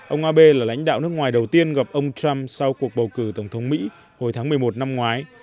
ông abe là lãnh đạo nước ngoài đầu tiên gặp ông trump sau cuộc bầu cử tổng thống mỹ hồi tháng một mươi một năm ngoái